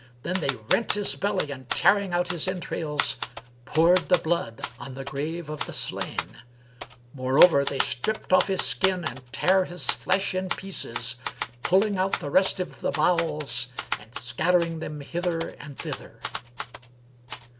Then they rent his belly and tearing out his entrails, poured the blood on the grave of the slain[FN#328]: moreover, they stripped off his skin and tare his flesh in pieces and, pulling out the rest of the bowels, scattered them hither and thither.